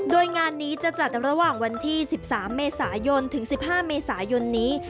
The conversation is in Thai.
โดยงานนี้จะจัดระหว่างวันที่๑๓เมษายนถึง๑๕เมษายนนี้